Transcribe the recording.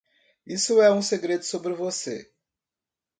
Isso é um segredo sobre você.